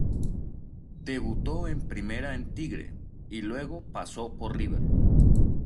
Debutó en primera en Tigre y luego pasó por River.